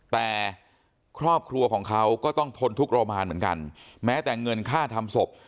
แต่ครอบครัวของเขาก็ต้องทนทุกโรมานเหมือนกันแม้แต่เงินค่าทำศพ